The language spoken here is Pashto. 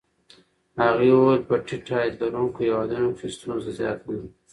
هغې وویل په ټیټ عاید لرونکو هېوادونو کې ستونزه زیاته ده.